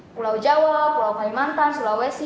pulau jawa pulau kalimantan sulawesi